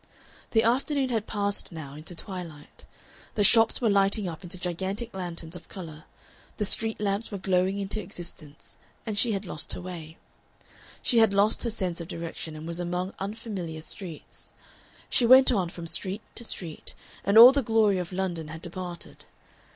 The afternoon had passed now into twilight. The shops were lighting up into gigantic lanterns of color, the street lamps were glowing into existence, and she had lost her way. She had lost her sense of direction, and was among unfamiliar streets. She went on from street to street, and all the glory of London had departed.